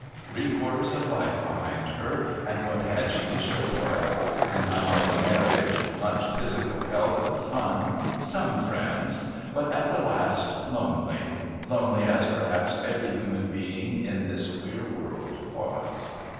Three quarters of life behind her and what had she to show for it? An unlucky marriage, much physical health and fun, some friends but, at the last, lonely lonely as perhaps every human being in this queer world was.